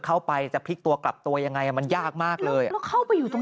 เข้าไปจะพลิกตัวกลับตัวยังไงอ่ะมันยากมากเลยอ่ะแล้วเข้าไปอยู่ตรง